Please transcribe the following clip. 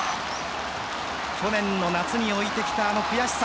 去年の夏に置いてきたあの悔しさ